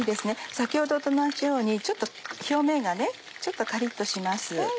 先ほどと同じようにちょっと表面がカリっとします。